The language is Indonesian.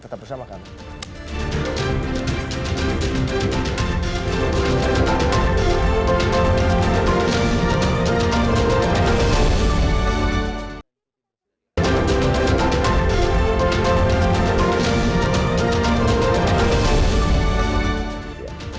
tetap bersama kami